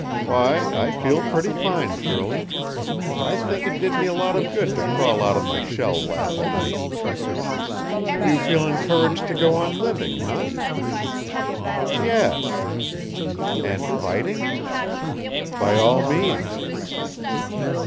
"Why, I feel pretty fine, Shirley. I think it did me a lot of good to crawl out of my shell last night." "You feel encouraged to go on living, eh?" "Yes." "And fighting?" "By all means."